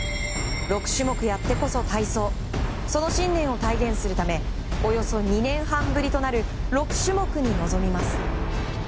６種目やってこそ体操その信念を体現するためおよそ２年半ぶりとなる６種目に臨みます。